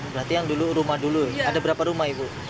berarti yang dulu rumah dulu ada berapa rumah ibu